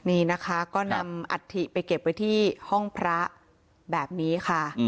นี่นะคะก็นำอัฐิไปเก็บไว้ที่ห้องพระแบบนี้ค่ะ